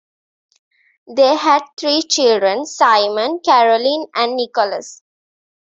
They had three children, Simon, Caroline, and Nicholas.